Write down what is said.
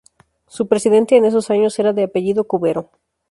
Su presidente, en esos años, era de apellido Cubero.